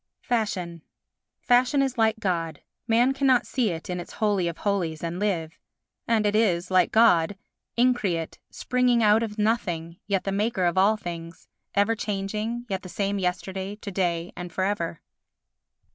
Fashion Fashion is like God, man cannot see it in its holy of holies and live. And it is, like God, increate, springing out of nothing, yet the maker of all things—ever changing yet the same yesterday, to day and for ever.